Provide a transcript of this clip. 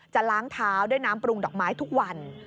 จะล้างเท้าด้วยน้ำปรุงดอกไม้ทุกวัน